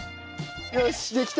よしできた。